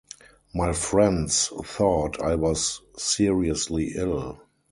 My friends thought I was seriously ill!